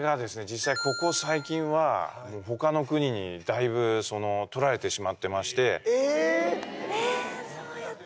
実際ここ最近は他の国にだいぶ取られてしまってましてえっ